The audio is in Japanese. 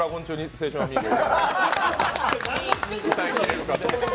「青春アミーゴ」を。